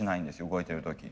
動いてる時。